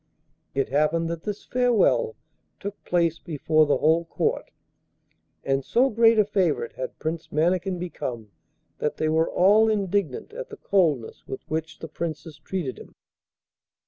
It happened that this farewell took place before the whole Court, and so great a favourite had Prince Mannikin become that they were all indignant at the coldness with which the Princess treated him.